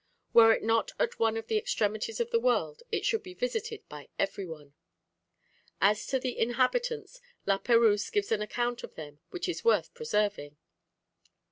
Were it not at one of the extremities of the world, it should be visited by every one." As to the inhabitants, La Perouse gives an account of them which is worth preserving.